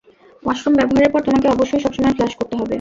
Washroom ব্যবহারের পর তোমাকে অবশ্যই সবসময় ফ্লাশ করতে হবে।